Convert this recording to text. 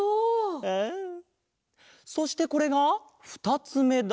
そしてこれがふたつめだ。